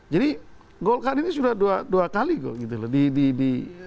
jadi golkar ini sudah dua kali kok gitu loh di di di